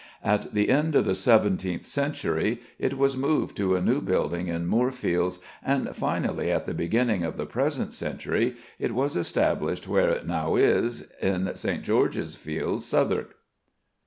At the end of the seventeenth century it was moved to a new building in Moorfields, and finally, at the beginning of the present century, it was established where it now is, in St. George's Fields, Southwark.